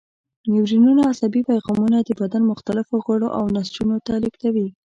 نیورونونه عصبي پیغامونه د بدن مختلفو غړو او نسجونو ته لېږدوي.